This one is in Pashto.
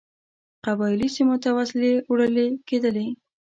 قبایلي سیمو ته وسلې وړلې کېدلې.